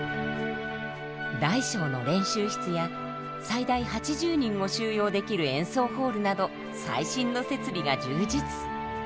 大小の練習室や最大８０人を収容できる演奏ホールなど最新の設備が充実。